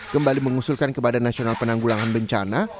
kembali mengusulkan kepada nasional penanggulangan bencana